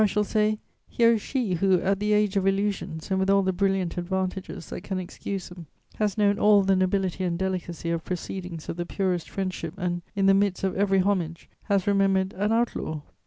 I shall say, 'Here is she who, at the age of illusions and with all the brilliant advantages that can excuse them, has known all the nobility and delicacy of proceedings of the purest friendship and, in the midst of every homage, has remembered an outlaw!'